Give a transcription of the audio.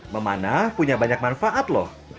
memanah punya banyak manfaat loh